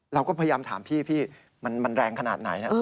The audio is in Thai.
เราก็พยายามถามพี่พี่มันแรงขนาดไหนนะ